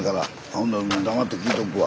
ほんなら黙って聞いとくわ。